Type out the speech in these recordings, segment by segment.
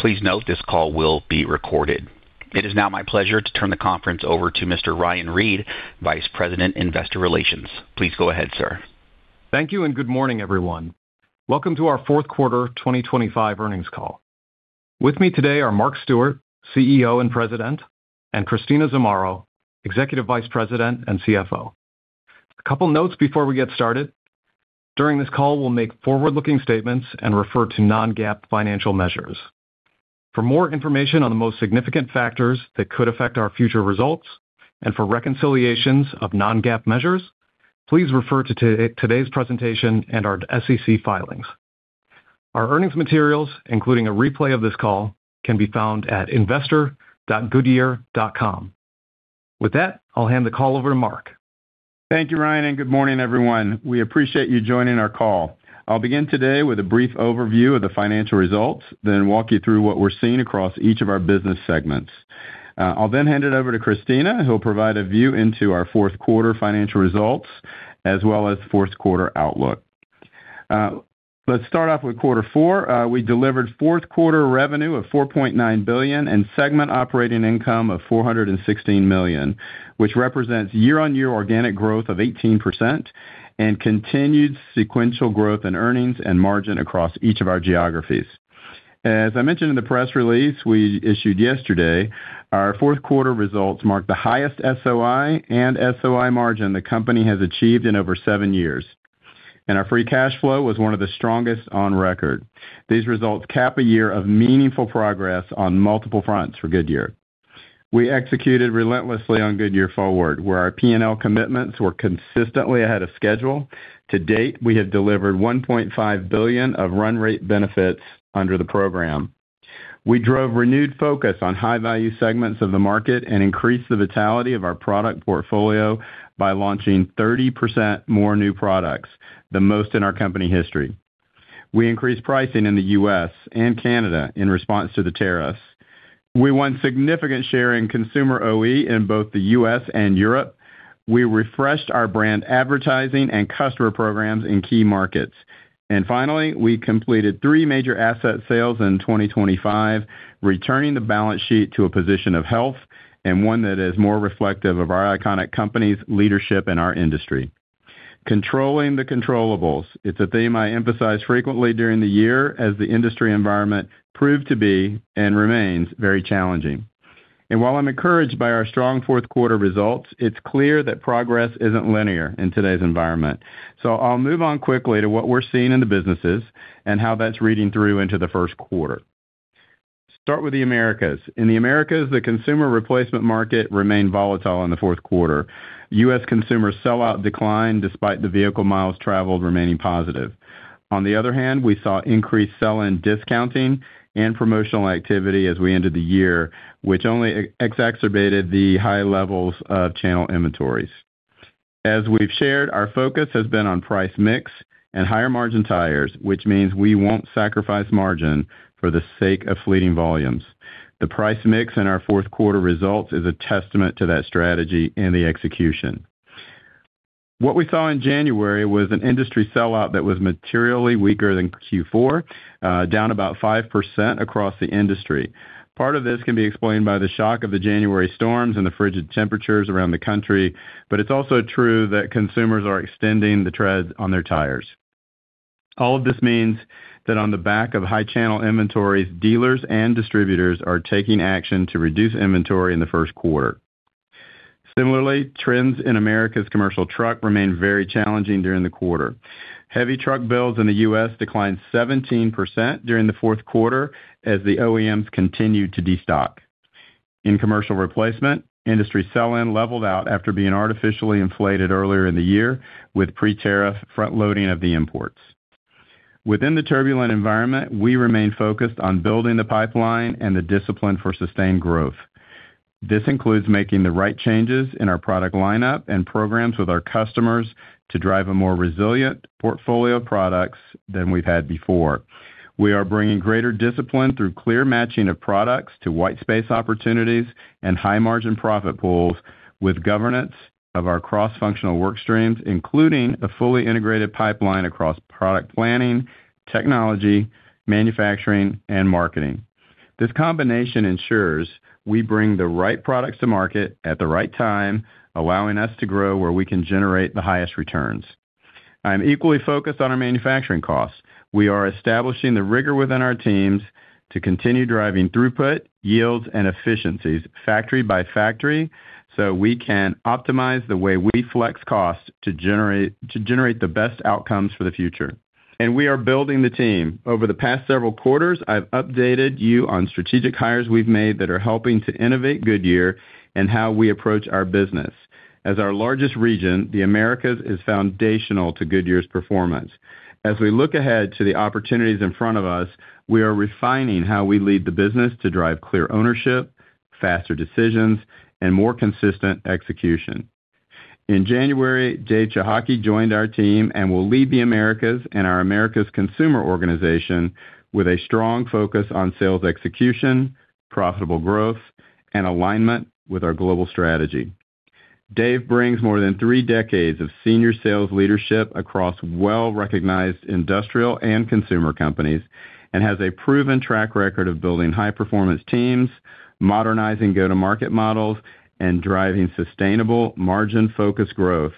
Please note, this call will be recorded. It is now my pleasure to turn the conference over to Mr. Ryan Reed, Vice President, Investor Relations. Please go ahead, sir. Thank you, and good morning, everyone. Welcome to our Fourth Quarter 2025 Earnings Call. With me today are Mark Stewart, CEO and President, and Christina Zamarro, Executive Vice President and CFO. A couple notes before we get started. During this call, we'll make forward-looking statements and refer to non-GAAP financial measures. For more information on the most significant factors that could affect our future results and for reconciliations of non-GAAP measures, please refer to today's presentation and our SEC filings. Our earnings materials, including a replay of this call, can be found at investor.goodyear.com. With that, I'll hand the call over to Mark. Thank you, Ryan, and good morning, everyone. We appreciate you joining our call. I'll begin today with a brief overview of the financial results, then walk you through what we're seeing across each of our business segments. I'll then hand it over to Christina, who'll provide a view into our fourth quarter financial results as well as fourth quarter outlook. Let's start off with quarter four. We delivered fourth quarter revenue of $4.9 billion and segment operating income of $416 million, which represents year-on-year organic growth of 18% and continued sequential growth in earnings and margin across each of our geographies. As I mentioned in the press release we issued yesterday, our fourth quarter results marked the highest SOI and SOI margin the company has achieved in over 7 years, and our free cash flow was one of the strongest on record. These results cap a year of meaningful progress on multiple fronts for Goodyear. We executed relentlessly on Goodyear Forward, where our P&L commitments were consistently ahead of schedule. To date, we have delivered $1.5 billion of run rate benefits under the program. We drove renewed focus on high-value segments of the market and increased the vitality of our product portfolio by launching 30% more new products, the most in our company history. We increased pricing in the U.S. and Canada in response to the tariffs. We won significant share in consumer OE in both the U.S. and Europe. We refreshed our brand advertising and customer programs in key markets. And finally, we completed three major asset sales in 2025, returning the balance sheet to a position of health and one that is more reflective of our iconic company's leadership in our industry. Controlling the controllables. It's a theme I emphasized frequently during the year as the industry environment proved to be, and remains, very challenging. And while I'm encouraged by our strong fourth quarter results, it's clear that progress isn't linear in today's environment. So I'll move on quickly to what we're seeing in the businesses and how that's reading through into the first quarter. Start with the Americas. In the Americas, the consumer replacement market remained volatile in the fourth quarter. U.S. consumer sell-out declined despite the vehicle miles traveled remaining positive. On the other hand, we saw increased sell-in discounting and promotional activity as we ended the year, which only exacerbated the high levels of channel inventories. As we've shared, our focus has been on price mix and higher-margin tires, which means we won't sacrifice margin for the sake of fleeting volumes. The price mix in our fourth quarter results is a testament to that strategy and the execution. What we saw in January was an industry sell-out that was materially weaker than Q4, down about 5% across the industry. Part of this can be explained by the shock of the January storms and the frigid temperatures around the country, but it's also true that consumers are extending the treads on their tires. All of this means that on the back of high channel inventories, dealers and distributors are taking action to reduce inventory in the first quarter. Similarly, trends in Americas commercial truck remained very challenging during the quarter. Heavy truck builds in the U.S. declined 17% during the fourth quarter as the OEMs continued to destock. In commercial replacement, industry sell-in leveled out after being artificially inflated earlier in the year with pre-tariff front-loading of the imports. Within the turbulent environment, we remain focused on building the pipeline and the discipline for sustained growth. This includes making the right changes in our product lineup and programs with our customers to drive a more resilient portfolio of products than we've had before. We are bringing greater discipline through clear matching of products to white space opportunities and high-margin profit pools with governance of our cross-functional work streams, including a fully integrated pipeline across product planning, technology, manufacturing, and marketing. This combination ensures we bring the right products to market at the right time, allowing us to grow where we can generate the highest returns. I'm equally focused on our manufacturing costs. We are establishing the rigor within our teams to continue driving throughput, yields, and efficiencies, factory by factory, so we can optimize the way we flex costs to generate the best outcomes for the future. We are building the team. Over the past several quarters, I've updated you on strategic hires we've made that are helping to innovate Goodyear and how we approach our business. As our largest region, the Americas is foundational to Goodyear's performance. As we look ahead to the opportunities in front of us, we are refining how we lead the business to drive clear ownership, faster decisions, and more consistent execution. In January, David Cichocki joined our team and will lead the Americas and our Americas consumer organization with a strong focus on sales execution, profitable growth, and alignment with our global strategy... Dave brings more than three decades of senior sales leadership across well-recognized industrial and consumer companies, and has a proven track record of building high-performance teams, modernizing go-to-market models, and driving sustainable margin-focused growth,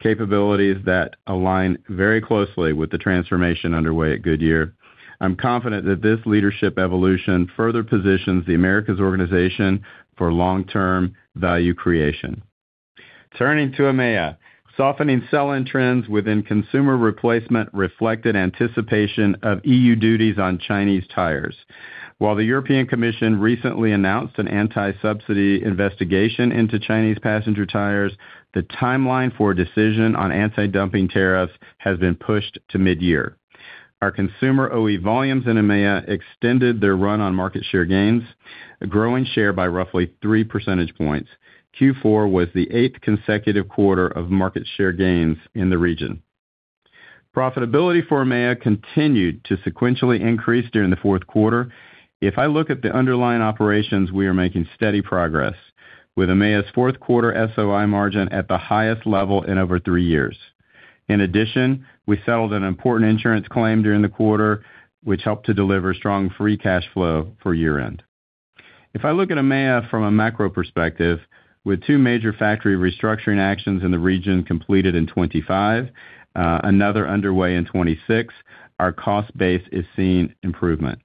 capabilities that align very closely with the transformation underway at Goodyear. I'm confident that this leadership evolution further positions the Americas organization for long-term value creation. Turning to EMEA. Softening sell-in trends within consumer replacement reflected anticipation of EU duties on Chinese tires. While the European Commission recently announced an anti-subsidy investigation into Chinese passenger tires, the timeline for a decision on anti-dumping tariffs has been pushed to midyear. Our consumer OE volumes in EMEA extended their run on market share gains, growing share by roughly 3 percentage points. Q4 was the 8th consecutive quarter of market share gains in the region. Profitability for EMEA continued to sequentially increase during the fourth quarter. If I look at the underlying operations, we are making steady progress, with EMEA's fourth quarter SOI margin at the highest level in over 3 years. In addition, we settled an important insurance claim during the quarter, which helped to deliver strong free cash flow for year-end. If I look at EMEA from a macro perspective, with 2 major factory restructuring actions in the region completed in 2025, another underway in 2026, our cost base is seeing improvement.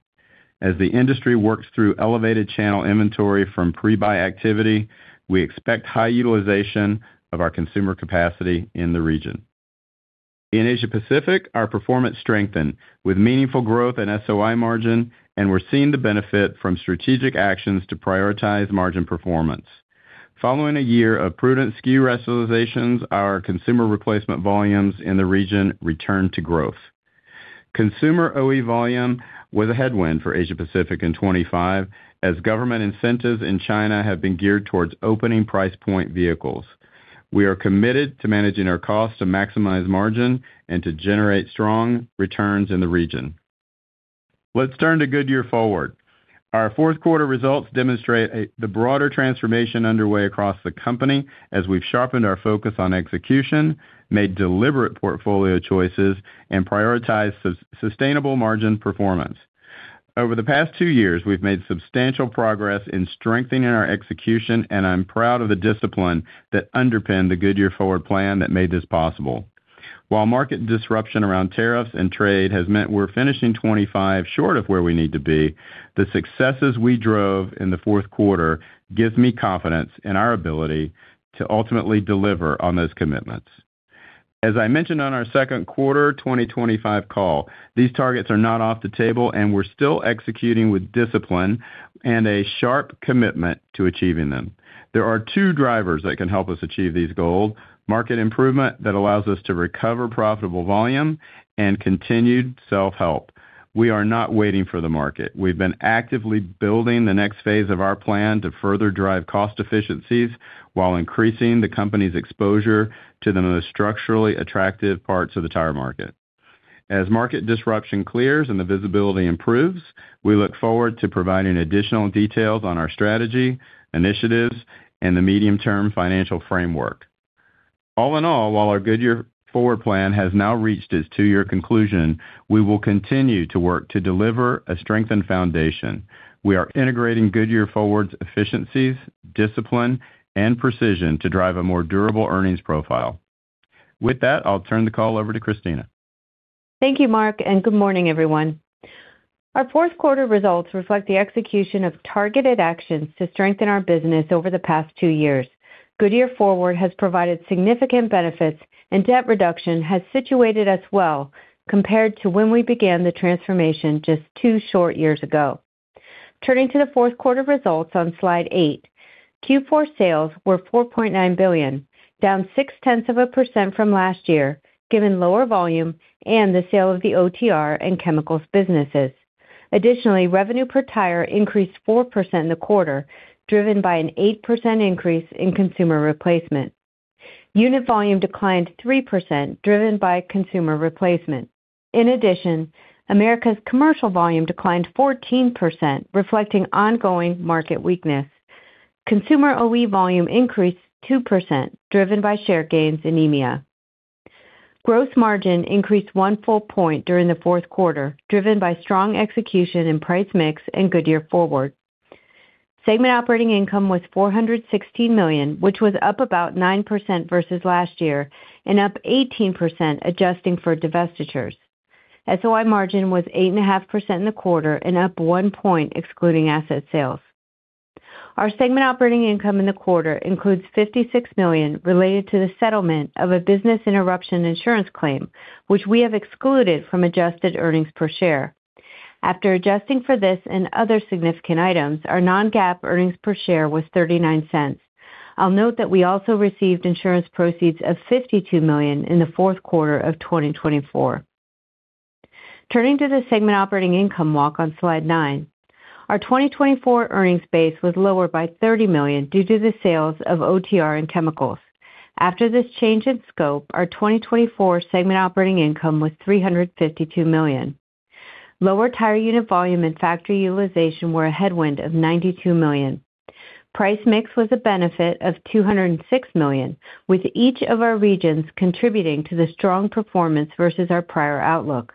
As the industry works through elevated channel inventory from pre-buy activity, we expect high utilization of our consumer capacity in the region. In Asia Pacific, our performance strengthened, with meaningful growth in SOI margin, and we're seeing the benefit from strategic actions to prioritize margin performance. Following a year of prudent SKU rationalizations, our consumer replacement volumes in the region returned to growth. Consumer OE volume was a headwind for Asia Pacific in 2025, as government incentives in China have been geared towards opening price point vehicles. We are committed to managing our costs to maximize margin and to generate strong returns in the region. Let's turn to Goodyear Forward. Our fourth quarter results demonstrate the broader transformation underway across the company as we've sharpened our focus on execution, made deliberate portfolio choices, and prioritized sustainable margin performance. Over the past two years, we've made substantial progress in strengthening our execution, and I'm proud of the discipline that underpinned the Goodyear Forward plan that made this possible. While market disruption around tariffs and trade has meant we're finishing 25 short of where we need to be, the successes we drove in the fourth quarter gives me confidence in our ability to ultimately deliver on those commitments. As I mentioned on our second quarter 2025 call, these targets are not off the table, and we're still executing with discipline and a sharp commitment to achieving them. There are two drivers that can help us achieve these goals: market improvement that allows us to recover profitable volume and continued self-help. We are not waiting for the market. We've been actively building the next phase of our plan to further drive cost efficiencies while increasing the company's exposure to the most structurally attractive parts of the tire market. As market disruption clears and the visibility improves, we look forward to providing additional details on our strategy, initiatives, and the medium-term financial framework. All in all, while our Goodyear Forward plan has now reached its two-year conclusion, we will continue to work to deliver a strengthened foundation. We are integrating Goodyear Forward's efficiencies, discipline, and precision to drive a more durable earnings profile. With that, I'll turn the call over to Christina. Thank you, Mark, and good morning, everyone. Our fourth quarter results reflect the execution of targeted actions to strengthen our business over the past two years. Goodyear Forward has provided significant benefits, and debt reduction has situated us well compared to when we began the transformation just two short years ago. Turning to the fourth quarter results on Slide 8, Q4 sales were $4.9 billion, down 0.6% from last year, given lower volume and the sale of the OTR and chemicals businesses. Additionally, revenue per tire increased 4% in the quarter, driven by an 8% increase in consumer replacement. Unit volume declined 3%, driven by consumer replacement. In addition, Americas commercial volume declined 14%, reflecting ongoing market weakness. Consumer OE volume increased 2%, driven by share gains in EMEA. Gross margin increased 1 full point during the fourth quarter, driven by strong execution in price mix and Goodyear Forward. Segment operating income was $416 million, which was up about 9% versus last year and up 18% adjusting for divestitures. SOI margin was 8.5% in the quarter and up 1 point, excluding asset sales. Our segment operating income in the quarter includes $56 million related to the settlement of a business interruption insurance claim, which we have excluded from adjusted earnings per share. After adjusting for this and other significant items, our non-GAAP earnings per share was $0.39. I'll note that we also received insurance proceeds of $52 million in the fourth quarter of 2024. Turning to the segment operating income walk on Slide 9. Our 2024 earnings base was lower by $30 million due to the sales of OTR and chemicals. After this change in scope, our 2024 segment operating income was $352 million. Lower tire unit volume and factory utilization were a headwind of $92 million. Price mix was a benefit of $206 million, with each of our regions contributing to the strong performance versus our prior outlook.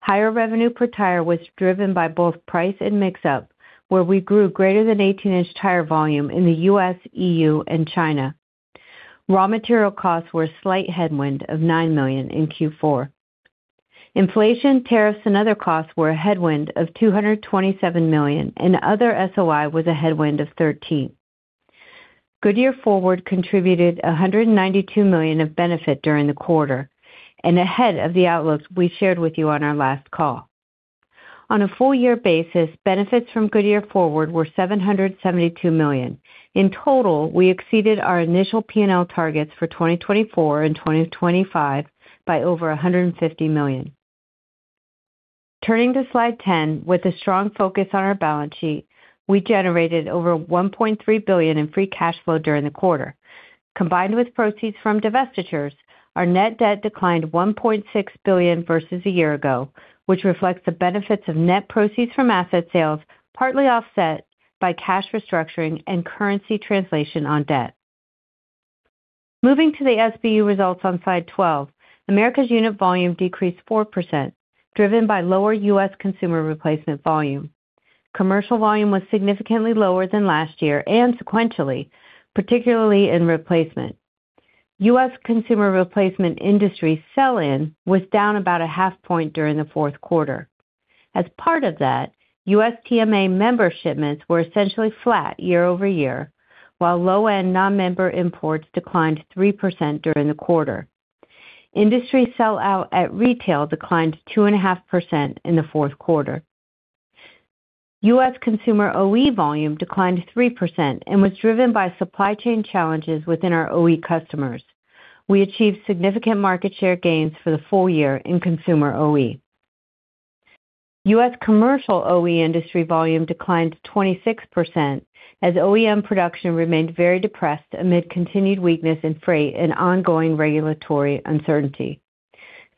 Higher revenue per tire was driven by both price and mix up, where we grew greater than 18-inch tire volume in the US, EU, and China. Raw material costs were a slight headwind of $9 million in Q4. Inflation, tariffs, and other costs were a headwind of $227 million, and other SOI was a headwind of $13 million. Goodyear Forward contributed $192 million of benefit during the quarter, and ahead of the outlooks we shared with you on our last call. On a full year basis, benefits from Goodyear Forward were $772 million. In total, we exceeded our initial P&L targets for 2024 and 2025 by over $150 million. Turning to Slide 10, with a strong focus on our balance sheet, we generated over $1.3 billion in free cash flow during the quarter. Combined with proceeds from divestitures, our net debt declined $1.6 billion versus a year ago, which reflects the benefits of net proceeds from asset sales, partly offset by cash restructuring and currency translation on debt. Moving to the SBU results on Slide 12. Americas unit volume decreased 4%, driven by lower U.S. consumer replacement volume. Commercial volume was significantly lower than last year and sequentially, particularly in replacement. U.S. consumer replacement industry sell-in was down about a half point during the fourth quarter. As part of that, USTMA member shipments were essentially flat year over year, while low-end non-member imports declined 3% during the quarter. Industry sell out at retail declined 2.5% in the fourth quarter. U.S. consumer OE volume declined 3% and was driven by supply chain challenges within our OE customers. We achieved significant market share gains for the full year in consumer OE. U.S. commercial OE industry volume declined 26%, as OEM production remained very depressed amid continued weakness in freight and ongoing regulatory uncertainty.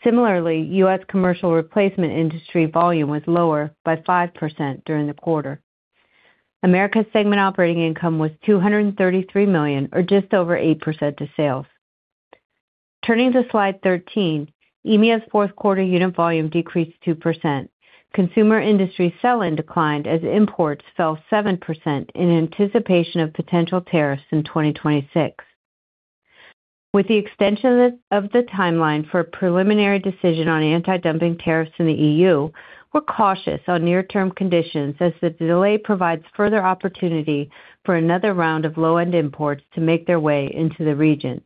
Similarly, U.S. commercial replacement industry volume was lower by 5% during the quarter. Americas segment operating income was $233 million, or just over 8% to sales. Turning to Slide 13, EMEA's fourth quarter unit volume decreased 2%. Consumer industry sell-in declined as imports fell 7% in anticipation of potential tariffs in 2026. With the extension of the timeline for a preliminary decision on anti-dumping tariffs in the EU, we're cautious on near-term conditions as the delay provides further opportunity for another round of low-end imports to make their way into the region.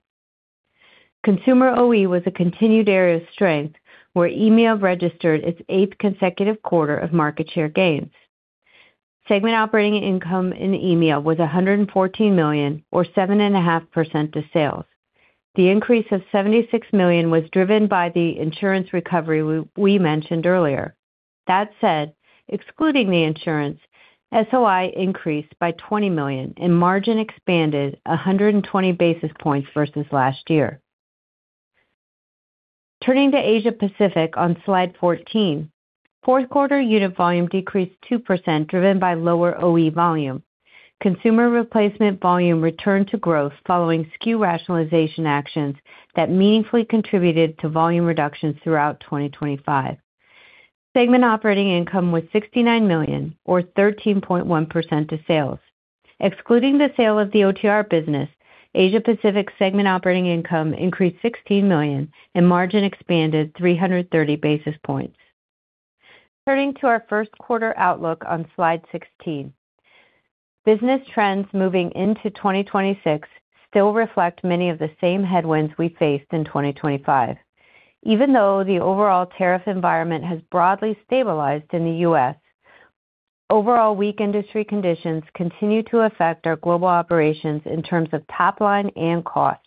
Consumer OE was a continued area of strength, where EMEA registered its eighth consecutive quarter of market share gains. Segment operating income in EMEA was $114 million or 7.5% to sales. The increase of $76 million was driven by the insurance recovery we mentioned earlier. That said, excluding the insurance, SOI increased by $20 million, and margin expanded 120 basis points versus last year. Turning to Asia Pacific on Slide 14. Fourth quarter unit volume decreased 2%, driven by lower OE volume. Consumer replacement volume returned to growth following SKU rationalization actions that meaningfully contributed to volume reductions throughout 2025. Segment operating income was $69 million or 13.1% of sales. Excluding the sale of the OTR business, Asia Pacific segment operating income increased $16 million, and margin expanded 330 basis points. Turning to our first quarter outlook on Slide 16. Business trends moving into 2026 still reflect many of the same headwinds we faced in 2025. Even though the overall tariff environment has broadly stabilized in the U.S., overall weak industry conditions continue to affect our global operations in terms of top line and cost.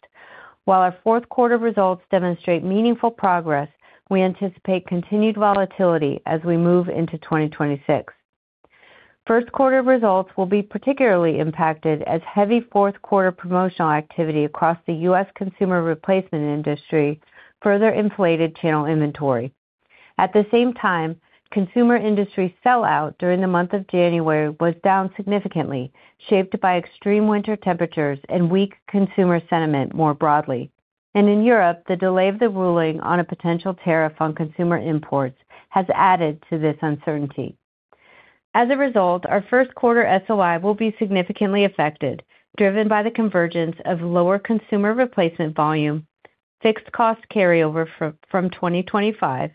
While our fourth quarter results demonstrate meaningful progress, we anticipate continued volatility as we move into 2026. First quarter results will be particularly impacted as heavy fourth quarter promotional activity across the U.S. consumer replacement industry further inflated channel inventory. At the same time, consumer industry sell out during the month of January was down significantly, shaped by extreme winter temperatures and weak consumer sentiment more broadly. In Europe, the delay of the ruling on a potential tariff on consumer imports has added to this uncertainty. As a result, our first quarter SOI will be significantly affected, driven by the convergence of lower consumer replacement volume, fixed cost carryover from 2025,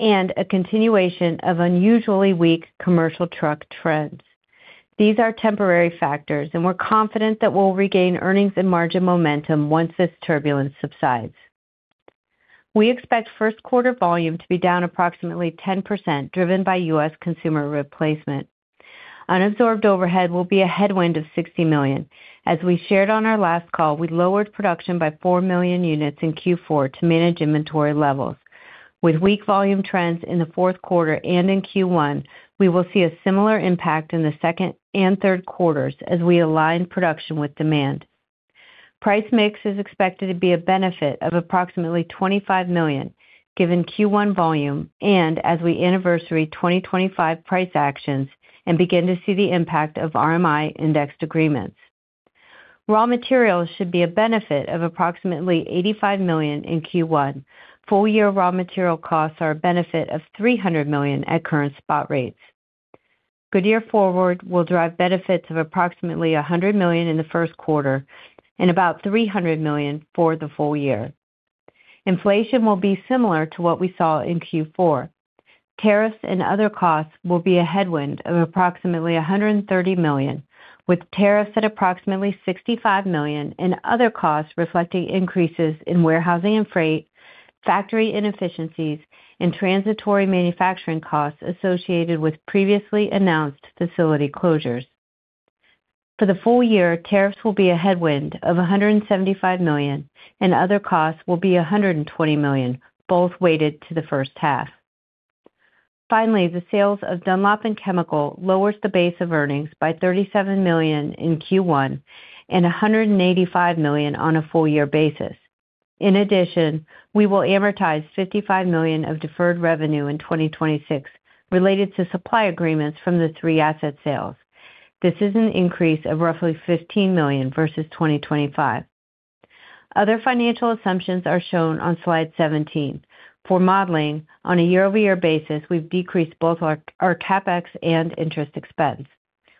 and a continuation of unusually weak commercial truck trends. These are temporary factors, and we're confident that we'll regain earnings and margin momentum once this turbulence subsides. We expect first quarter volume to be down approximately 10%, driven by US consumer replacement. Unabsorbed overhead will be a headwind of $60 million. As we shared on our last call, we lowered production by 4 million units in Q4 to manage inventory levels. With weak volume trends in the fourth quarter and in Q1, we will see a similar impact in the second and third quarters as we align production with demand. Price mix is expected to be a benefit of approximately $25 million, given Q1 volume, and as we anniversary 2025 price actions and begin to see the impact of RMI-indexed agreements. Raw materials should be a benefit of approximately $85 million in Q1. Full year raw material costs are a benefit of $300 million at current spot rates. Goodyear Forward will drive benefits of approximately $100 million in the first quarter and about $300 million for the full year. Inflation will be similar to what we saw in Q4. Tariffs and other costs will be a headwind of approximately $130 million, with tariffs at approximately $65 million and other costs reflecting increases in warehousing and freight, factory inefficiencies, and transitory manufacturing costs associated with previously announced facility closures. For the full year, tariffs will be a headwind of $175 million, and other costs will be $120 million, both weighted to the first half. Finally, the sales of Dunlop and Chemical lowers the base of earnings by $37 million in Q1 and $185 million on a full year basis. In addition, we will amortize $55 million of deferred revenue in 2026 related to supply agreements from the three asset sales. This is an increase of roughly $15 million versus 2025. Other financial assumptions are shown on slide 17. For modeling, on a year-over-year basis, we've decreased both our CapEx and interest expense.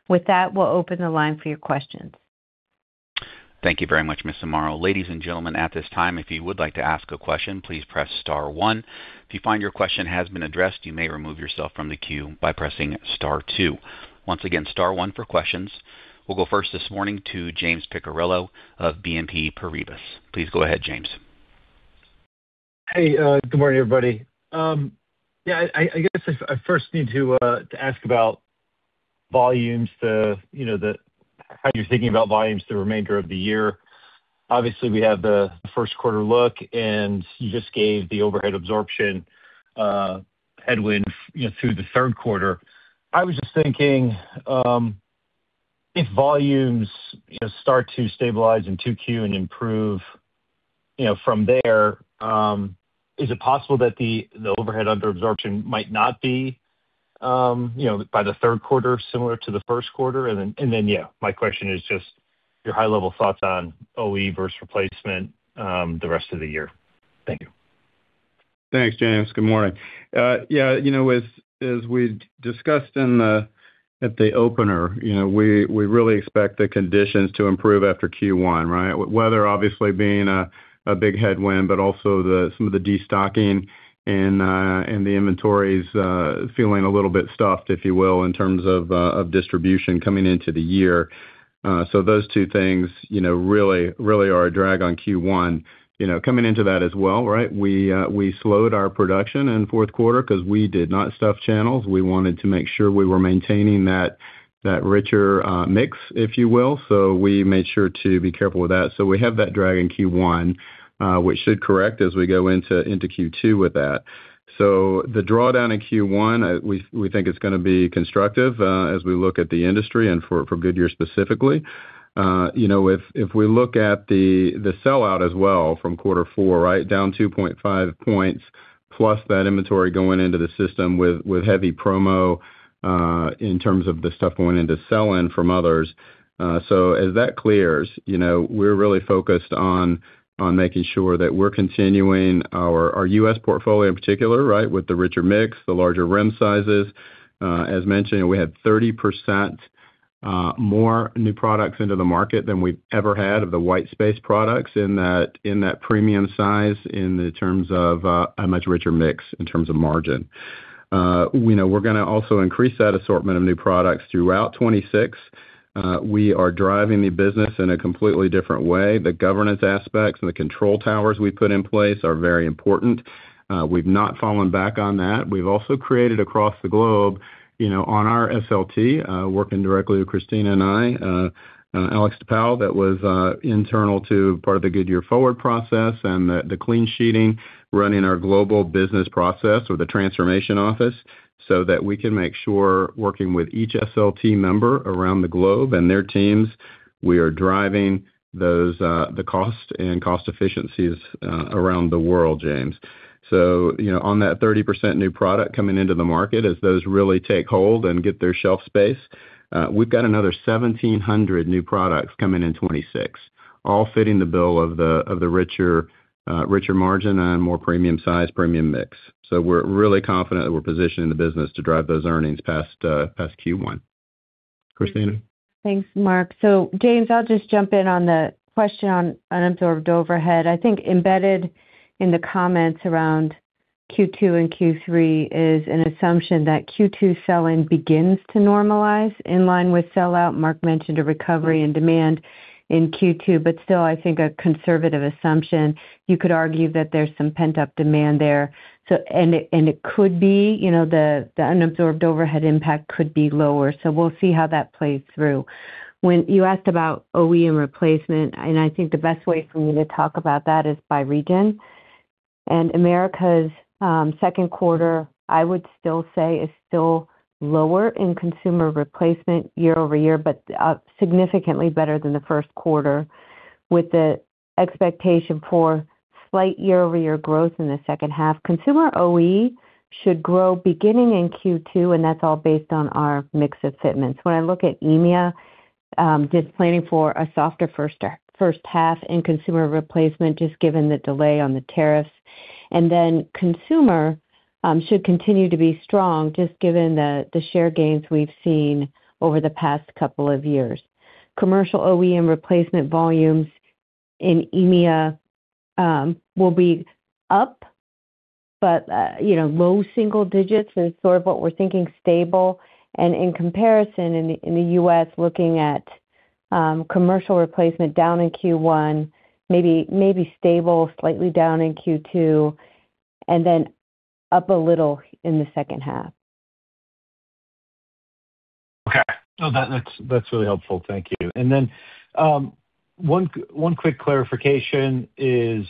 With that, we'll open the line for your questions. Thank you very much, Ms. Zamarro. Ladies and gentlemen, at this time, if you would like to ask a question, please press star one. If you find your question has been addressed, you may remove yourself from the queue by pressing star two. Once again, star one for questions. We'll go first this morning to James Picariello of BNP Paribas. Please go ahead, James. Hey, good morning, everybody. Yeah, I guess I first need to ask about volumes. You know, how you're thinking about volumes the remainder of the year. Obviously, we have the first quarter look, and you just gave the overhead absorption headwind, you know, through the third quarter. I was just thinking, if volumes, you know, start to stabilize in 2Q and improve, you know, from there, is it possible that the overhead under absorption might not be, you know, by the third quarter, similar to the first quarter? And then, yeah, my question is just your high-level thoughts on OE versus replacement, the rest of the year. Thank you. Thanks, James. Good morning. Yeah, you know, as we discussed at the opener, you know, we really expect the conditions to improve after Q1, right? Weather obviously being a big headwind, but also some of the destocking and the inventories feeling a little bit stuffed, if you will, in terms of distribution coming into the year. So those two things, you know, really are a drag on Q1. You know, coming into that as well, right? We slowed our production in fourth quarter because we did not stuff channels. We wanted to make sure we were maintaining that richer mix, if you will. So we made sure to be careful with that. So we have that drag in Q1, which should correct as we go into Q2 with that. So the drawdown in Q1, we think it's gonna be constructive, as we look at the industry and for Goodyear specifically. You know, if we look at the sell-out as well from quarter four, right, down 2.5 points, plus that inventory going into the system with heavy promo, in terms of the stuff going into sell-in from others. So as that clears, you know, we're really focused on making sure that we're continuing our US portfolio in particular, right? With the richer mix, the larger rim sizes. As mentioned, we had 30% more new products into the market than we've ever had of the white space products in that premium size, in the terms of a much richer mix in terms of margin. We know we're gonna also increase that assortment of new products throughout 2026. We are driving the business in a completely different way. The governance aspects and the control towers we put in place are very important. We've not fallen back on that. We've also created across the globe, you know, on our SLT, working directly with Christina and I, Alex DePaoli, that was, internal to part of the Goodyear Forward process and the, the clean sheeting, running our global business process with the transformation office, so that we can make sure, working with each SLT member around the globe and their teams, we are driving those, the cost and cost efficiencies, around the world, James. So, you know, on that 30% new product coming into the market, as those really take hold and get their shelf space, we've got another 1,700 new products coming in 2026, all fitting the bill of the, of the richer, richer margin and more premium size, premium mix. So we're really confident that we're positioning the business to drive those earnings past, past Q1. Christina? Thanks, Mark. So James, I'll just jump in on the question on unabsorbed overhead. I think embedded in the comments around Q2 and Q3 is an assumption that Q2 sell-in begins to normalize in line with sell-out. Mark mentioned a recovery in demand in Q2, but still, I think a conservative assumption. You could argue that there's some pent-up demand there. So it could be, you know, the unabsorbed overhead impact could be lower. So we'll see how that plays through. When you asked about OEM replacement, and I think the best way for me to talk about that is by region. And Americas second quarter, I would still say, is still lower in consumer replacement year-over-year, but significantly better than the first quarter, with the expectation for slight year-over-year growth in the second half. Consumer OE should grow beginning in Q2, and that's all based on our mix of fitments. When I look at EMEA, just planning for a softer first half in consumer replacement, just given the delay on the tariffs. And then consumer should continue to be strong, just given the, the share gains we've seen over the past couple of years. Commercial OEM replacement volumes in EMEA will be up, but you know, low single digits is sort of what we're thinking, stable. And in comparison, in the US, looking at commercial replacement down in Q1, maybe stable, slightly down in Q2, and then up a little in the second half. Okay. No, that, that's really helpful. Thank you. And then one quick clarification is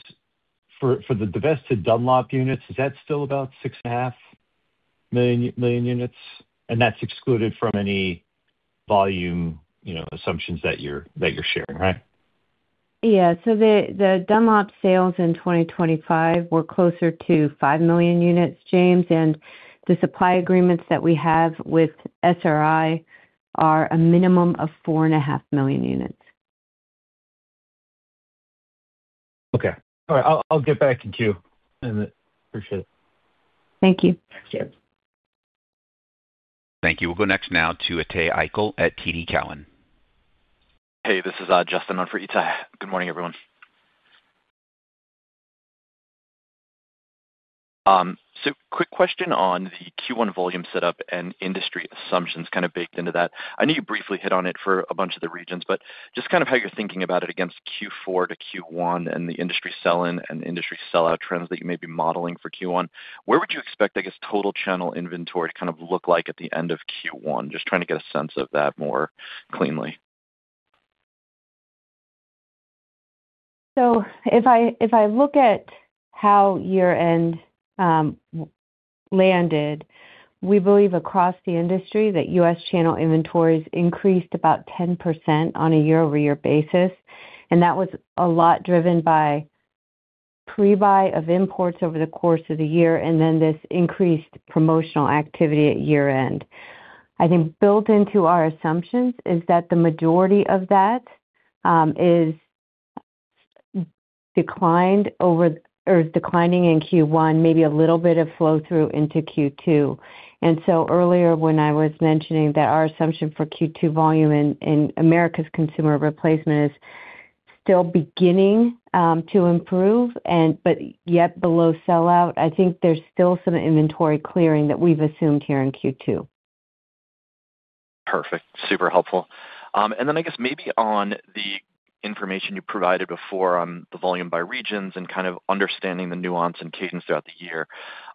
for the divested Dunlop units, is that still about 6.5 million units? And that's excluded from any volume, you know, assumptions that you're sharing, right? Yeah. So the Dunlop sales in 2025 were closer to 5 million units, James, and the supply agreements that we have with SRI are a minimum of 4.5 million units. Okay. All right, I'll, I'll get back to you. And appreciate it. Thank you. Thanks, James. Thank you. We'll go next now to Itay Michaeli at TD Cowen. Hey, this is Justin, on for Itay. Good morning, everyone. So quick question on the Q1 volume setup and industry assumptions kind of baked into that. I know you briefly hit on it for a bunch of the regions, but just kind of how you're thinking about it against Q4 to Q1 and the industry sell-in and industry sell-out trends that you may be modeling for Q1. Where would you expect, I guess, total channel inventory to kind of look like at the end of Q1? Just trying to get a sense of that more cleanly. So if I look at how year-end landed, we believe across the industry that U.S. channel inventories increased about 10% on a year-over-year basis, and that was a lot driven by pre-buy of imports over the course of the year and then this increased promotional activity at year-end. I think built into our assumptions is that the majority of that is declined over... or is declining in Q1, maybe a little bit of flow-through into Q2. And so earlier, when I was mentioning that our assumption for Q2 volume in Americas consumer replacement is still beginning to improve and but yet below sell out, I think there's still some inventory clearing that we've assumed here in Q2. Perfect. Super helpful. And then I guess maybe on the information you provided before on the volume by regions and kind of understanding the nuance and cadence throughout the year,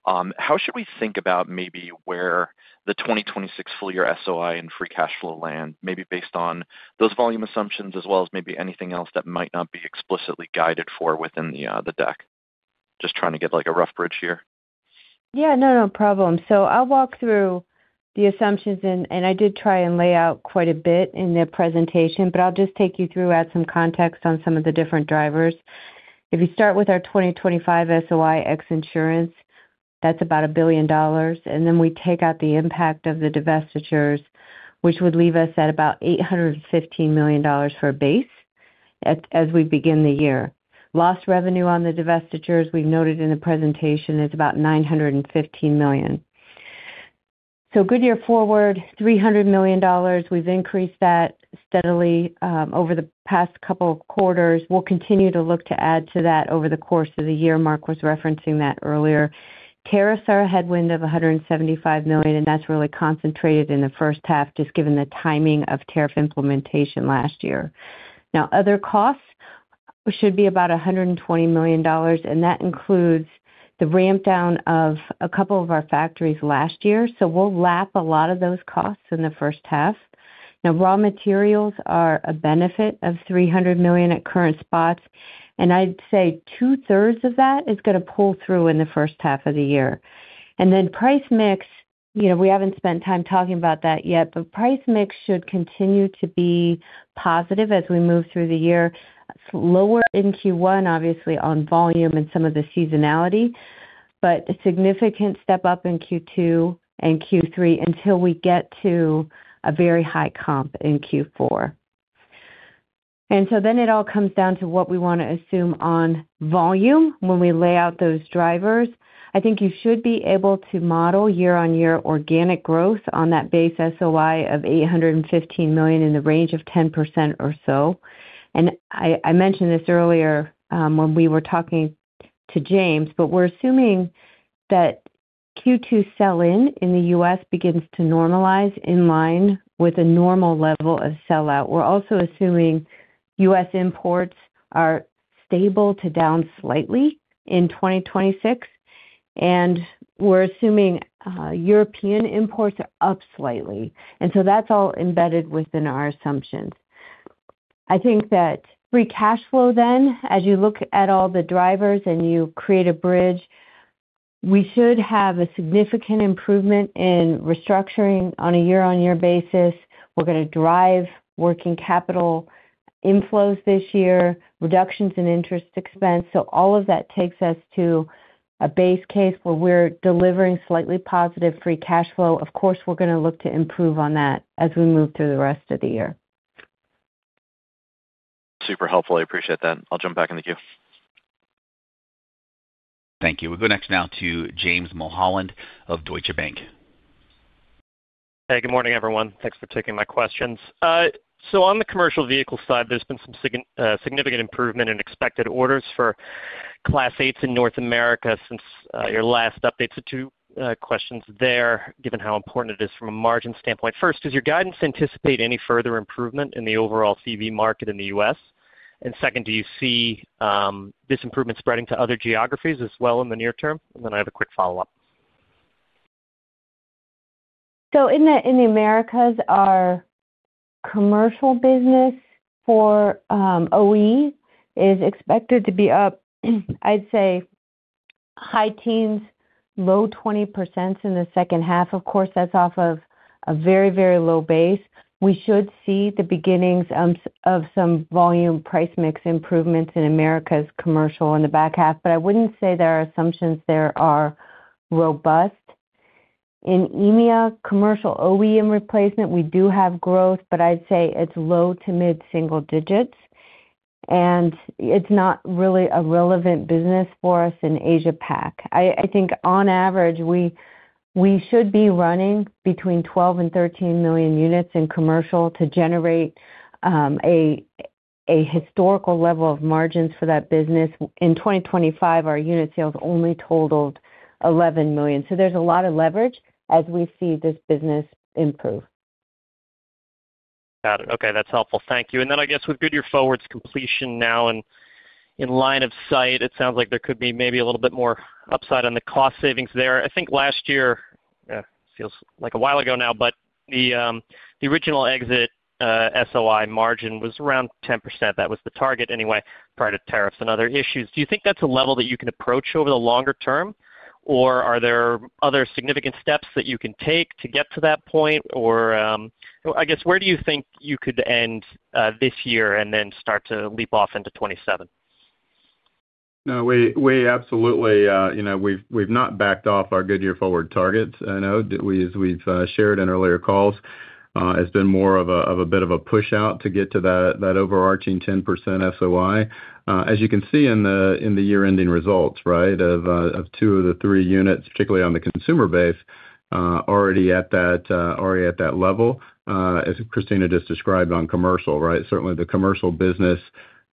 how should we think about maybe where the 2026 full year SOI and free cash flow land, maybe based on those volume assumptions, as well as maybe anything else that might not be explicitly guided for within the, the deck? Just trying to get, like, a rough bridge here. Yeah. No, no problem. So I'll walk through the assumptions, and I did try and lay out quite a bit in the presentation, but I'll just take you through, add some context on some of the different drivers. If you start with our 2025 SOI ex insurance, that's about $1 billion, and then we take out the impact of the divestitures, which would leave us at about $815 million for a base as we begin the year. Lost revenue on the divestitures, we noted in the presentation, is about $915 million. So Goodyear Forward, $300 million. We've increased that steadily over the past couple of quarters. We'll continue to look to add to that over the course of the year. Mark was referencing that earlier. Tariffs are a headwind of $175 million, and that's really concentrated in the first half, just given the timing of tariff implementation last year. Now, other costs should be about $120 million, and that includes the ramp down of a couple of our factories last year. So we'll lap a lot of those costs in the first half. Now, raw materials are a benefit of $300 million at current spots, and I'd say two-thirds of that is gonna pull through in the first half of the year. And then price mix, you know, we haven't spent time talking about that yet, but price mix should continue to be positive as we move through the year. SOI lower in Q1, obviously on volume and some of the seasonality, but a significant step up in Q2 and Q3 until we get to a very high comp in Q4. It all comes down to what we want to assume on volume when we lay out those drivers. I think you should be able to model year-on-year organic growth on that base SOI of $815 million in the range of 10% or so. And I, I mentioned this earlier, when we were talking to James, but we're assuming that Q2 sell-in in the U.S. begins to normalize in line with a normal level of sell-out. We're also assuming U.S. imports are stable to down slightly in 2026, and we're assuming European imports are up slightly, and so that's all embedded within our assumptions. I think that free cash flow then, as you look at all the drivers and you create a bridge, we should have a significant improvement in restructuring on a year-on-year basis. We're gonna drive working capital inflows this year, reductions in interest expense. So all of that takes us to a base case where we're delivering slightly positive free cash flow. Of course, we're gonna look to improve on that as we move through the rest of the year. Super helpful. I appreciate that. I'll jump back in the queue. Thank you. We'll go next now to James Mulholland of Deutsche Bank. Hey, good morning, everyone. Thanks for taking my questions. So on the commercial vehicle side, there's been some significant improvement in expected orders for Class 8 in North America since your last update. So 2 questions there, given how important it is from a margin standpoint. First, does your guidance anticipate any further improvement in the overall CV market in the U.S.? And second, do you see this improvement spreading to other geographies as well in the near term? And then I have a quick follow-up. So in the Americas, our commercial business for OE is expected to be up, I'd say, high teens, low 20% in the second half. Of course, that's off of a very, very low base. We should see the beginnings of some volume price mix improvements in Americas commercial in the back half, but I wouldn't say their assumptions there are robust. In EMEA, commercial OEM replacement, we do have growth, but I'd say it's low to mid single digits, and it's not really a relevant business for us in Asia Pac. I think on average, we should be running between 12 and 13 million units in commercial to generate a historical level of margins for that business. In 2025, our unit sales only totaled 11 million. So there's a lot of leverage as we see this business improve. Got it. Okay, that's helpful. Thank you. And then I guess with Goodyear Forward's completion now and in line of sight, it sounds like there could be maybe a little bit more upside on the cost savings there. I think last year, feels like a while ago now, but the original exit, SOI margin was around 10%. That was the target anyway, prior to tariffs and other issues. Do you think that's a level that you can approach over the longer term, or are there other significant steps that you can take to get to that point? Or, I guess, where do you think you could end this year and then start to leap off into 2027? No, we absolutely, you know, we've not backed off our Goodyear Forward targets. I know, as we've shared in earlier calls, it's been more of a bit of a push out to get to that overarching 10% SOI. As you can see in the year-ending results, right? Of two of the three units, particularly on the consumer base, already at that level, as Christina just described on commercial, right? Certainly, the commercial business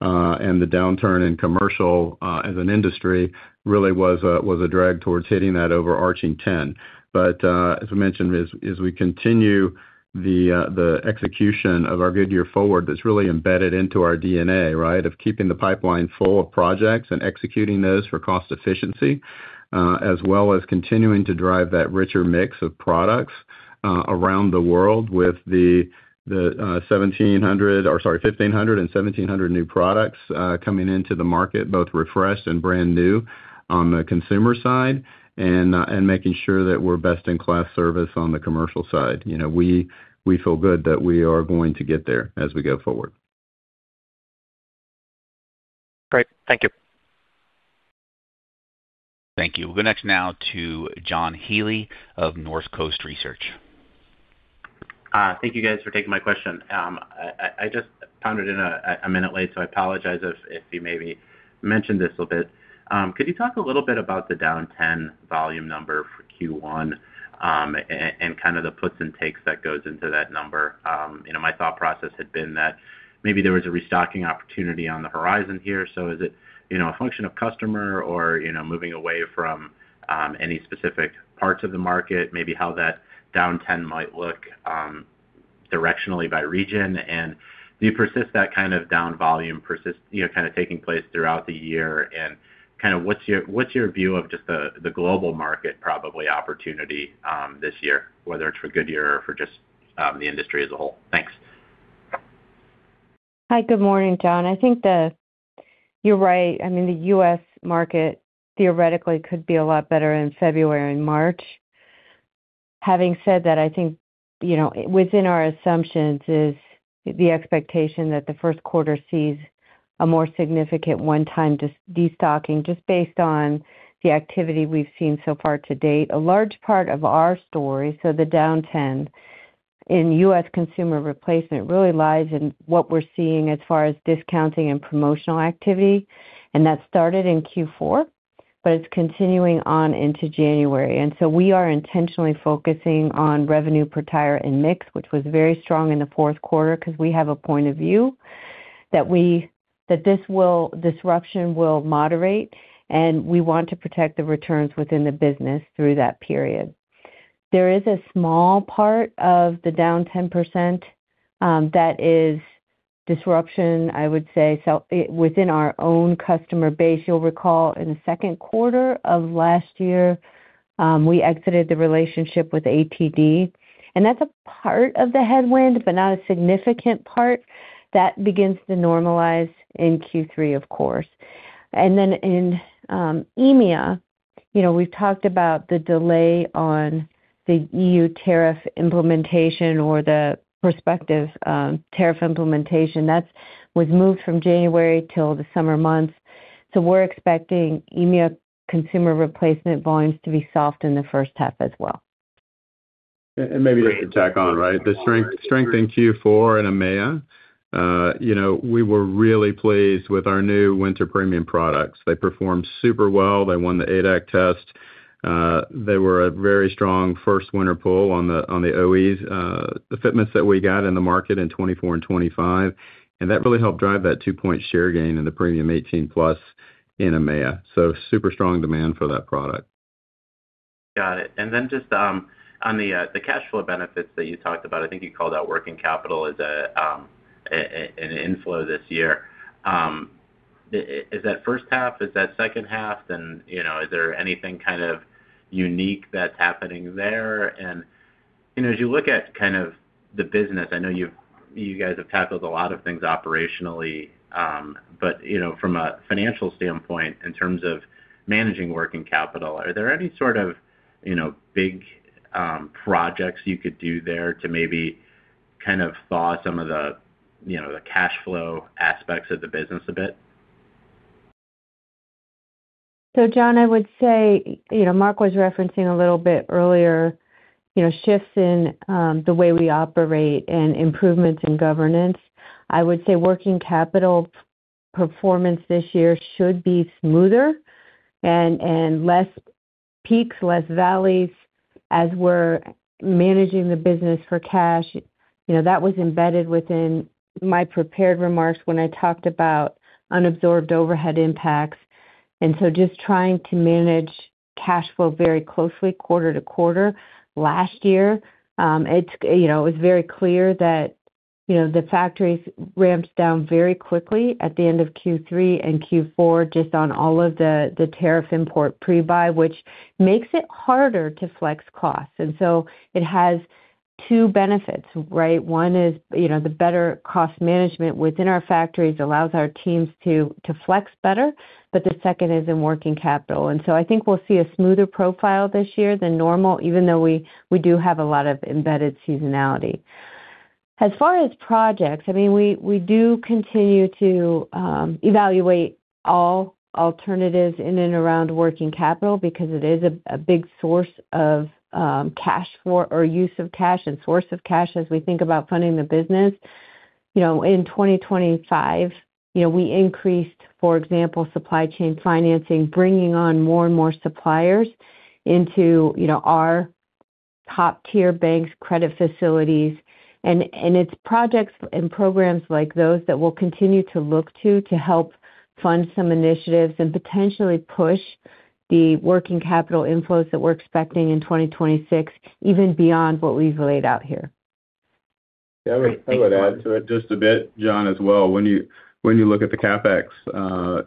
and the downturn in commercial as an industry really was a drag towards hitting that overarching 10. But, as we mentioned, as we continue the execution of our Goodyear Forward, that's really embedded into our DNA, right? Of keeping the pipeline full of projects and executing those for cost efficiency, as well as continuing to drive that richer mix of products around the world with the seventeen hundred... or sorry, 1,500-1,700 new products coming into the market, both refreshed and brand new on the consumer side, and making sure that we're best-in-class service on the commercial side. You know, we feel good that we are going to get there as we go forward. Great. Thank you. Thank you. We'll go next now to John Healy of North Coast Research. Thank you guys for taking my question. I just joined in a minute late, so I apologize if you maybe mentioned this a bit. Could you talk a little bit about the down 10% volume number for Q1, and kind of the puts and takes that goes into that number? You know, my thought process had been that maybe there was a restocking opportunity on the horizon here, so is it, you know, a function of customer or, you know, moving away from any specific parts of the market, maybe how that down 10% might look, directionally by region? Do you persist that kind of down volume persist, you know, kind of taking place throughout the year, and kind of what's your, what's your view of just the, the global market, probably opportunity, this year, whether it's for Goodyear or for just, the industry as a whole? Thanks. Hi, good morning, John. I think that you're right. I mean, the U.S. market theoretically could be a lot better in February and March. Having said that, I think, you know, within our assumptions is the expectation that the first quarter sees a more significant one-time destocking, just based on the activity we've seen so far to date. A large part of our story, so the down 10, in U.S. consumer replacement, really lies in what we're seeing as far as discounting and promotional activity, and that started in Q4, but it's continuing on into January. And so we are intentionally focusing on revenue per tire and mix, which was very strong in the fourth quarter, because we have a point of view that this disruption will moderate, and we want to protect the returns within the business through that period. There is a small part of the down 10%, that is disruption, I would say. So within our own customer base, you'll recall in the second quarter of last year, we exited the relationship with ATD, and that's a part of the headwind, but not a significant part. That begins to normalize in Q3, of course. And then in EMEA, you know, we've talked about the delay on the EU tariff implementation or the prospective tariff implementation. That was moved from January till the summer months. So we're expecting EMEA consumer replacement volumes to be soft in the first half as well. And maybe I should tack on, right? The strength in Q4 in EMEA, you know, we were really pleased with our new winter premium products. They performed super well. They won the ADAC test. They were a very strong first winter pull on the, on the OEs, the fitments that we got in the market in 2024 and 2025, and that really helped drive that 2-point share gain in the premium 18+ in EMEA. So super strong demand for that product. Got it. And then just on the cash flow benefits that you talked about, I think you called out working capital as an inflow this year. Is that first half, is that second half? And, you know, is there anything kind of unique that's happening there? And, you know, as you look at kind of the business, I know you've—you guys have tackled a lot of things operationally, but, you know, from a financial standpoint, in terms of managing working capital, are there any sort of, you know, big projects you could do there to maybe kind of thaw some of the, you know, the cash flow aspects of the business a bit? So, John, I would say, you know, Mark was referencing a little bit earlier, you know, shifts in the way we operate and improvements in governance. I would say working capital performance this year should be smoother and less peaks, less valleys as we're managing the business for cash. You know, that was embedded within my prepared remarks when I talked about unabsorbed overhead impacts, and so just trying to manage cash flow very closely quarter to quarter. Last year, it's, you know, it was very clear that, you know, the factories ramped down very quickly at the end of Q3 and Q4, just on all of the tariff import pre-buy, which makes it harder to flex costs. And so it has two benefits, right? One is, you know, the better cost management within our factories allows our teams to flex better, but the second is in working capital. And so I think we'll see a smoother profile this year than normal, even though we do have a lot of embedded seasonality. As far as projects, I mean, we do continue to evaluate all alternatives in and around working capital because it is a big source of cash flow or use of cash and source of cash as we think about funding the business. You know, in 2025, you know, we increased, for example, supply chain financing, bringing on more and more suppliers into, you know, our top-tier banks' credit facilities. And it's projects and programs like those that we'll continue to look to help fund some initiatives and potentially push the working capital inflows that we're expecting in 2026, even beyond what we've laid out here. I would add to it just a bit, John, as well. When you look at the CapEx,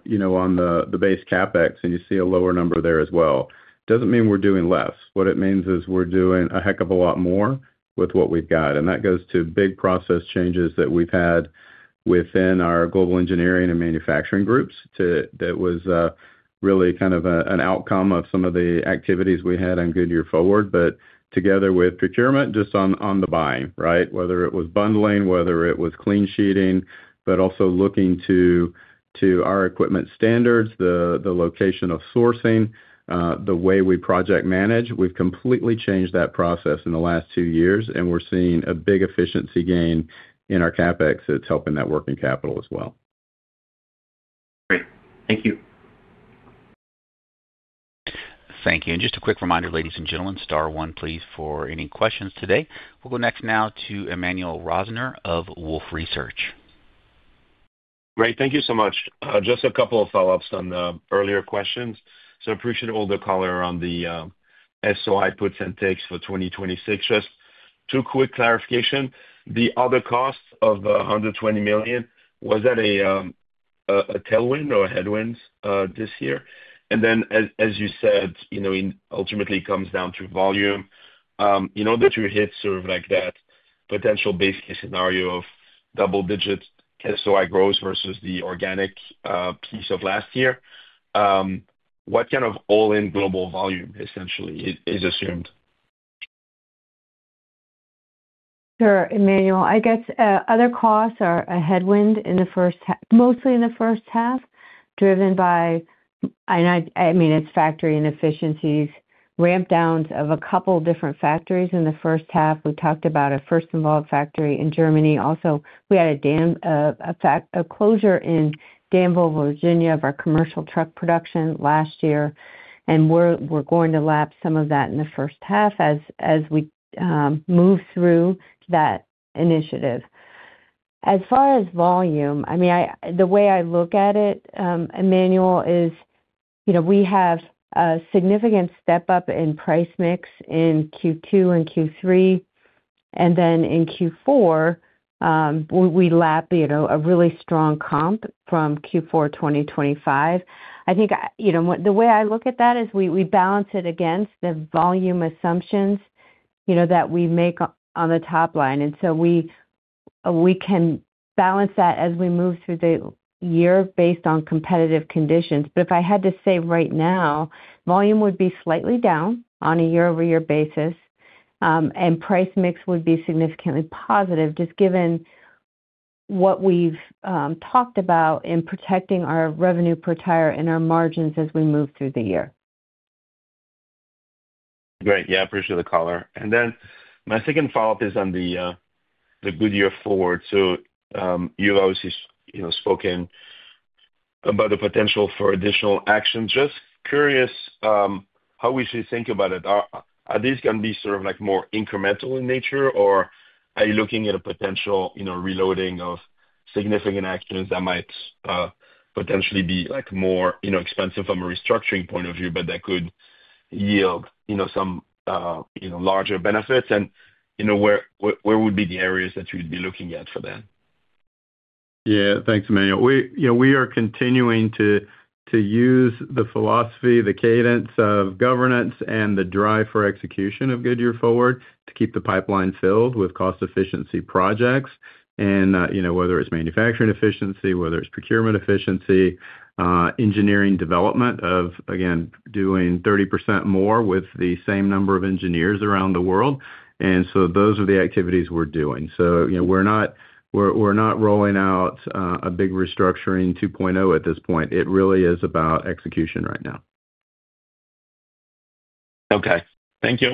you know, on the base CapEx, and you see a lower number there as well, doesn't mean we're doing less. What it means is we're doing a heck of a lot more with what we've got, and that goes to big process changes that we've had within our global engineering and manufacturing groups. That was really kind of an outcome of some of the activities we had on Goodyear Forward, but together with procurement, just on the buying, right? Whether it was bundling, whether it was clean sheeting, but also looking to our equipment standards, the location of sourcing, the way we project manage. We've completely changed that process in the last two years, and we're seeing a big efficiency gain in our CapEx that's helping that working capital as well. Great. Thank you. Thank you. And just a quick reminder, ladies and gentlemen, star one, please, for any questions today. We'll go next now to Emmanuel Rosner of Wolfe Research. Great. Thank you so much. Just a couple of follow-ups on the earlier questions. So appreciate all the color on the SOI puts and takes for 2026. Just two quick clarification. The other costs of the $120 million, was that a tailwind or a headwind this year? And then as you said, you know, it ultimately comes down to volume. In order to hit sort of like that potential base case scenario of double-digit SOI growth versus the organic piece of last year, what kind of all-in global volume essentially is assumed? Sure, Emmanuel. I guess, other costs are a headwind in the first half, mostly in the first half, driven by. And I mean, it's factory inefficiencies, ramp downs of a couple different factories in the first half. We talked about a Fürstenwalde factory in Germany. Also, we had a closure in Danville, Virginia, of our commercial truck production last year, and we're going to lap some of that in the first half as we move through that initiative. As far as volume, I mean, the way I look at it, Emmanuel, is, you know, we have a significant step up in price mix in Q2 and Q3. And then in Q4, we lap, you know, a really strong comp from Q4 2025. I think, you know, the way I look at that is we balance it against the volume assumptions, you know, that we make on the top line. And so we can balance that as we move through the year based on competitive conditions. But if I had to say right now, volume would be slightly down on a year-over-year basis, and price mix would be significantly positive, just given what we've talked about in protecting our revenue per tire and our margins as we move through the year. Great. Yeah, I appreciate the color. And then my second follow-up is on the Goodyear Forward. So, you've obviously, you know, spoken about the potential for additional action. Just curious, how we should think about it. Are these gonna be sort of, like, more incremental in nature? Or are you looking at a potential, you know, reloading of significant actions that might potentially be, like, more, you know, expensive from a restructuring point of view, but that could yield, you know, some, you know, larger benefits? And, you know, where would be the areas that you'd be looking at for that? Yeah. Thanks, Emmanuel. You know, we are continuing to use the philosophy, the cadence of governance and the drive for execution of Goodyear Forward to keep the pipeline filled with cost efficiency projects. And, you know, whether it's manufacturing efficiency, whether it's procurement efficiency, engineering development of, again, doing 30% more with the same number of engineers around the world. And so those are the activities we're doing. So, you know, we're not rolling out a big restructuring 2.0 at this point. It really is about execution right now. Okay. Thank you.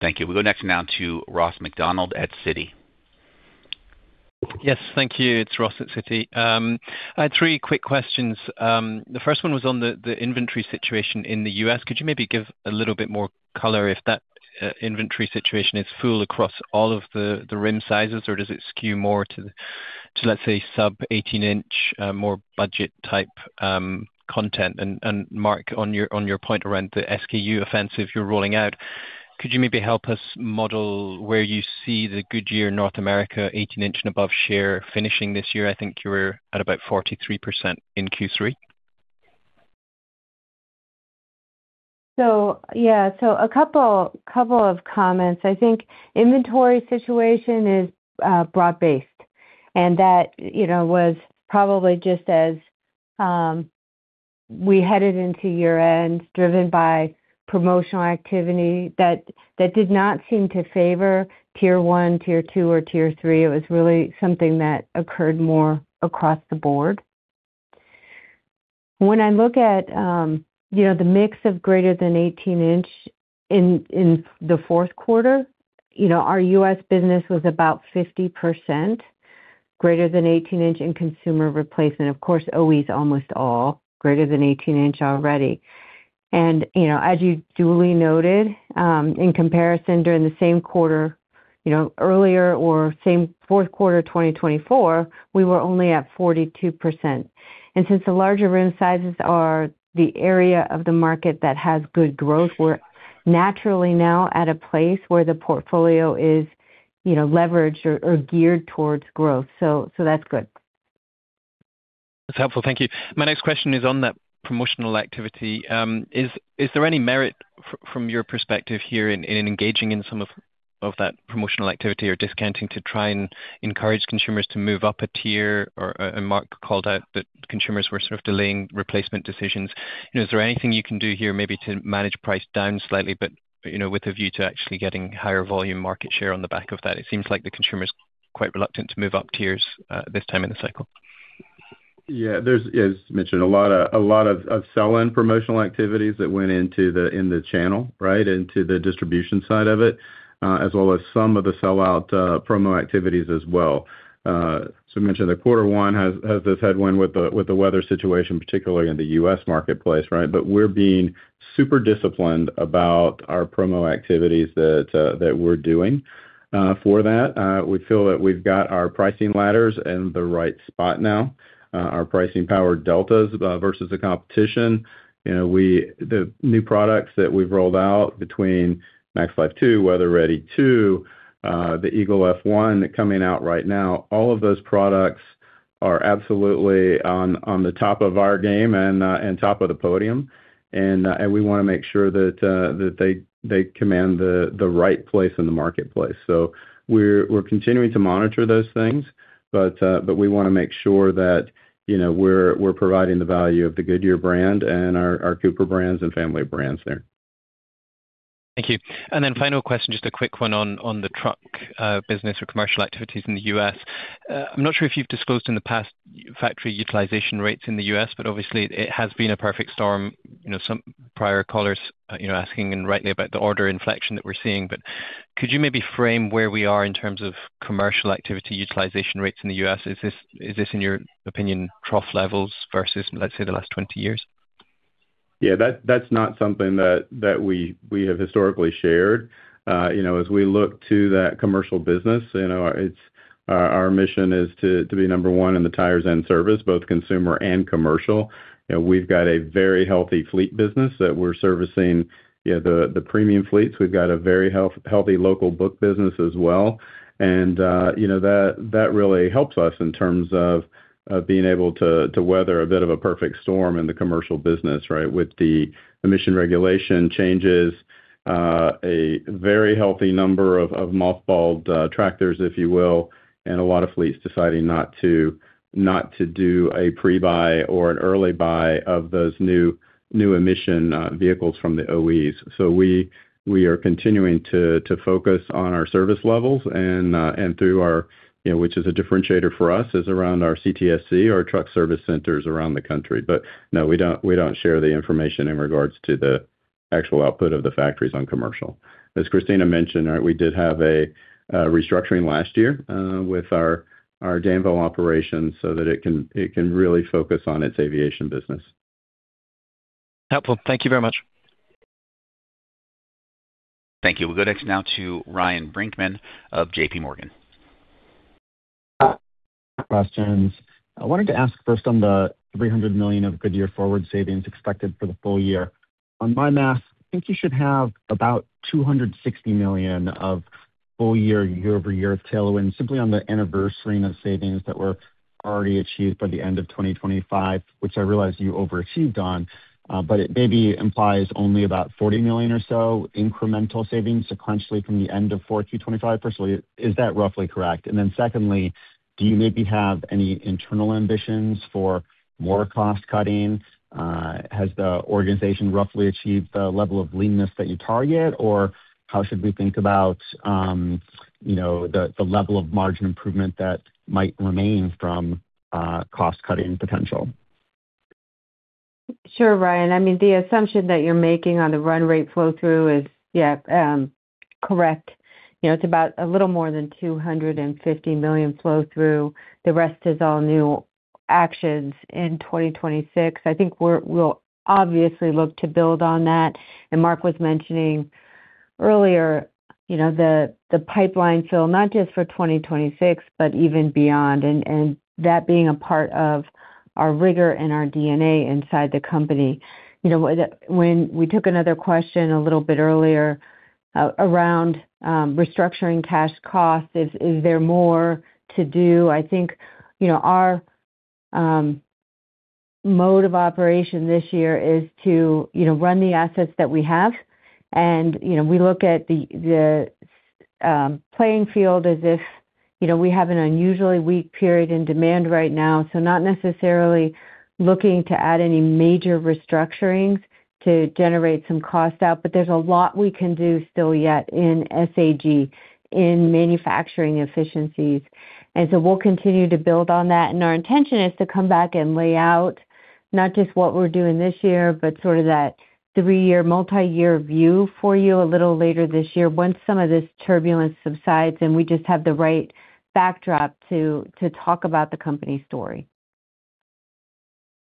Thank you. We'll go next now to Ross MacDonald at Citi. Yes, thank you. It's Ross at Citi. I had three quick questions. The first one was on the inventory situation in the U.S. Could you maybe give a little bit more color if that inventory situation is full across all of the rim sizes, or does it skew more to the, let's say, sub 18-inch, more budget type content? And Mark, on your point around the SKU offensive you're rolling out, could you maybe help us model where you see the Goodyear North America 18-inch and above share finishing this year? I think you were at about 43% in Q3. So yeah. A couple of comments. I think inventory situation is broad-based, and that, you know, was probably just as we headed into year-end, driven by promotional activity that did not seem to favor tier one, tier two, or tier three. It was really something that occurred more across the board. When I look at, you know, the mix of greater than 18-inch in the fourth quarter, you know, our U.S. business was about 50% greater than 18-inch in consumer replacement. Of course, OE is almost all greater than 18-inch already. And, you know, as you duly noted, in comparison, during the same quarter, you know, earlier or same fourth quarter, 2024, we were only at 42%. Since the larger rim sizes are the area of the market that has good growth, we're naturally now at a place where the portfolio is, you know, leveraged or geared towards growth. That's good. That's helpful. Thank you. My next question is on that promotional activity. Is there any merit from your perspective here in engaging in some of that promotional activity or discounting to try and encourage consumers to move up a tier? And Mark called out that consumers were sort of delaying replacement decisions. You know, is there anything you can do here, maybe to manage price down slightly, but, you know, with a view to actually getting higher volume market share on the back of that? It seems like the consumer is quite reluctant to move up tiers this time in the cycle. Yeah, there's, as mentioned, a lot of sell-in promotional activities that went into the channel, right, into the distribution side of it, as well as some of the sell-out promo activities as well. So I mentioned that quarter one has this headwind with the weather situation, particularly in the U.S. marketplace, right? But we're being super disciplined about our promo activities that we're doing. For that, we feel that we've got our pricing ladders in the right spot now. Our pricing power deltas versus the competition, you know, the new products that we've rolled out between MaxLife 2, WeatherReady 2, the Eagle F1 coming out right now, all of those products are absolutely on the top of our game and top of the podium. And we wanna make sure that they command the right place in the marketplace. So we're continuing to monitor those things, but we wanna make sure that, you know, we're providing the value of the Goodyear brand and our Cooper brands and family of brands there. Thank you. Then final question, just a quick one on the truck business or commercial activities in the U.S. I'm not sure if you've disclosed in the past factory utilization rates in the U.S., but obviously it has been a perfect storm. You know, some prior callers, you know, asking, and rightly, about the order inflection that we're seeing. But could you maybe frame where we are in terms of commercial activity utilization rates in the U.S.? Is this, in your opinion, trough levels versus, let's say, the last 20 years? ... Yeah, that's not something that we have historically shared. You know, as we look to that commercial business, you know, it's our mission is to be number one in the tires and service, both consumer and commercial. You know, we've got a very healthy fleet business that we're servicing, yeah, the premium fleets. We've got a very healthy local book business as well. And, you know, that really helps us in terms of being able to weather a bit of a perfect storm in the commercial business, right? With the emission regulation changes, a very healthy number of mothballed tractors, if you will, and a lot of fleets deciding not to do a pre-buy or an early buy of those new emission vehicles from the OEs. So we are continuing to focus on our service levels and through our, you know—which is a differentiator for us, is around our CTSC, our truck service centers around the country. But no, we don't share the information in regards to the actual output of the factories on commercial. As Christina mentioned, right, we did have a restructuring last year with our Danville operation so that it can really focus on its aviation business. Helpful. Thank you very much. Thank you. We'll go next now to Ryan Brinkman of J.P. Morgan. Questions. I wanted to ask first on the $300 million of Goodyear Forward savings expected for the full year. On my math, I think you should have about $260 million of full year, year-over-year tailwind, simply on the anniversary and of savings that were already achieved by the end of 2025, which I realize you overachieved on. But it maybe implies only about $40 million or so incremental savings sequentially from the end of 4Q 2025. So is that roughly correct? And then secondly, do you maybe have any internal ambitions for more cost cutting? Has the organization roughly achieved the level of leanness that you target? Or how should we think about, you know, the level of margin improvement that might remain from, cost-cutting potential? Sure, Ryan. I mean, the assumption that you're making on the run rate flow through is, yeah, correct. You know, it's about a little more than $250 million flow through. The rest is all new actions in 2026. I think we'll obviously look to build on that. And Mark was mentioning earlier, you know, the pipeline, so not just for 2026, but even beyond, and that being a part of our rigor and our DNA inside the company. You know, when we took another question a little bit earlier, around restructuring cash costs, is there more to do? I think, you know, our mode of operation this year is to, you know, run the assets that we have. You know, we look at the playing field as if, you know, we have an unusually weak period in demand right now, so not necessarily looking to add any major restructurings to generate some cost out, but there's a lot we can do still yet in SAG, in manufacturing efficiencies. So we'll continue to build on that. Our intention is to come back and lay out not just what we're doing this year, but sort of that three-year, multi-year view for you a little later this year when some of this turbulence subsides, and we just have the right backdrop to talk about the company story.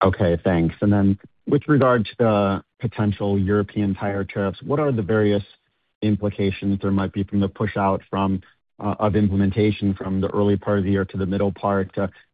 Okay, thanks. And then with regard to the potential European tire tariffs, what are the various implications there might be from the pushout from of implementation from the early part of the year to the middle part?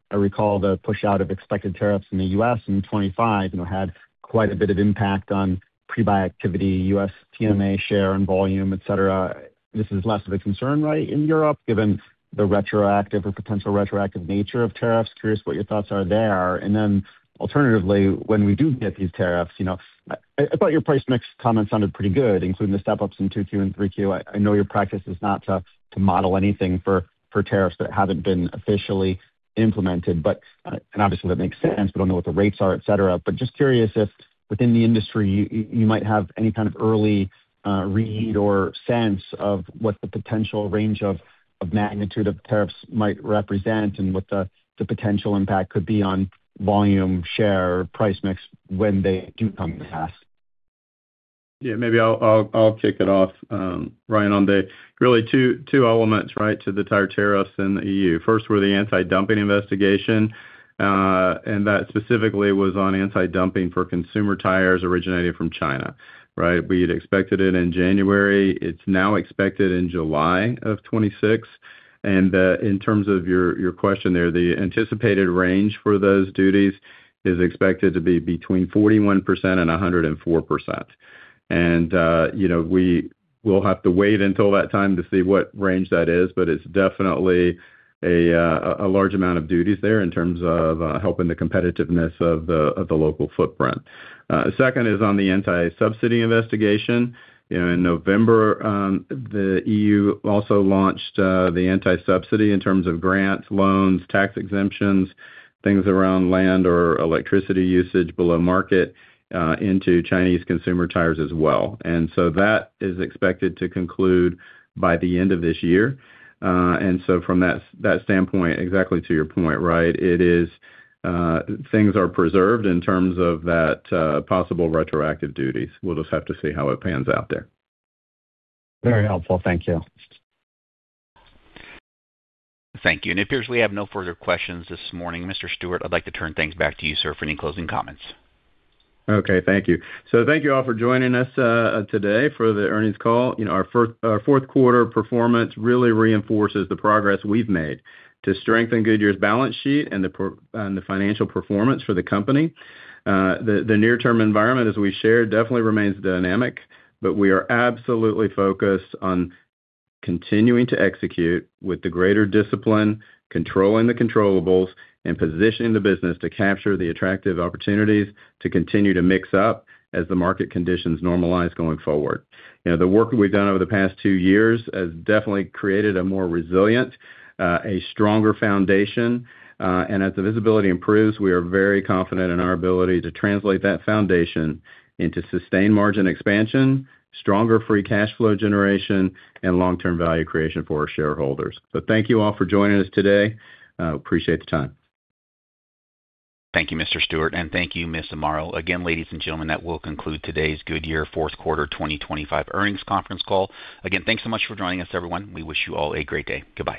I recall the pushout of expected tariffs in the U.S. in 2025, you know, had quite a bit of impact on pre-buy activity, USTMA share and volume, et cetera. This is less of a concern, right, in Europe, given the retroactive or potential retroactive nature of tariffs. Curious what your thoughts are there. And then alternatively, when we do get these tariffs, you know, I thought your price mix comment sounded pretty good, including the step-ups in 2Q and 3Q. I know your practice is not to model anything for tariffs that haven't been officially implemented, but, and obviously, that makes sense. We don't know what the rates are, et cetera. But just curious if, within the industry, you might have any kind of early read or sense of what the potential range of magnitude of tariffs might represent and what the potential impact could be on volume, share, price mix when they do come to pass. Yeah, maybe I'll kick it off, Ryan, on the really two elements, right, to the tire tariffs in the EU. First were the anti-dumping investigation, and that specifically was on anti-dumping for consumer tires originating from China, right? We'd expected it in January. It's now expected in July of 2026. And, in terms of your question there, the anticipated range for those duties is expected to be between 41% and 104%. And, you know, we'll have to wait until that time to see what range that is, but it's definitely a large amount of duties there in terms of helping the competitiveness of the local footprint. Second is on the anti-subsidy investigation. You know, in November, the EU also launched the anti-subsidy in terms of grants, loans, tax exemptions, things around land or electricity usage below market into Chinese consumer tires as well. And so that is expected to conclude by the end of this year. And so from that, that standpoint, exactly to your point, right, it is things are preserved in terms of that possible retroactive duties. We'll just have to see how it pans out there. Very helpful. Thank you. Thank you. It appears we have no further questions this morning. Mr. Stewart, I'd like to turn things back to you, sir, for any closing comments. Okay, thank you. So thank you all for joining us today for the earnings call. You know, our fourth quarter performance really reinforces the progress we've made to strengthen Goodyear's balance sheet and the financial performance for the company. The near-term environment, as we shared, definitely remains dynamic, but we are absolutely focused on continuing to execute with greater discipline, controlling the controllables, and positioning the business to capture the attractive opportunities to continue to mix up as the market conditions normalize going forward. You know, the work we've done over the past two years has definitely created a more resilient, a stronger foundation, and as the visibility improves, we are very confident in our ability to translate that foundation into sustained margin expansion, stronger free cash flow generation, and long-term value creation for our shareholders. Thank you all for joining us today. Appreciate the time. Thank you, Mr. Stewart, and thank you, Ms. Zamarro. Again, ladies and gentlemen, that will conclude today's Goodyear fourth quarter 2025 earnings conference call. Again, thanks so much for joining us, everyone. We wish you all a great day. Goodbye.